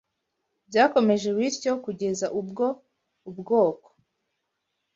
Byakomeje bityo, kugeza ubwo ubwoko